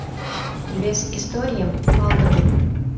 Вес историйым, палдымым